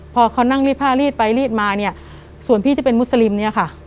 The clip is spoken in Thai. พอเขานั่งรีดผ้ารีดไปรีดมาเนี่ยส่วนพี่ที่เป็นมุสลิมเนี่ยค่ะ